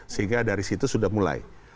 sehingga dari situ sudah mulai